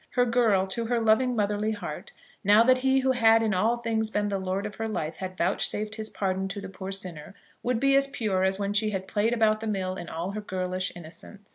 Her girl, to her loving motherly heart, now that he who had in all things been the lord of her life had vouchsafed his pardon to the poor sinner, would be as pure as when she had played about the mill in all her girlish innocence.